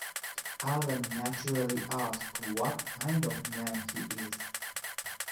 Allan naturally asks what kind of man he is.